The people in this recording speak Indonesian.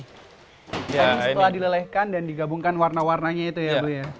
setelah dilelehkan dan digabungkan warna warnanya itu ya